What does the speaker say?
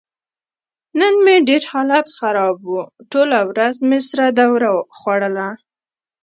نن مې ډېر حالت خراب و. ټوله ورځ مې سره دوره خوړله.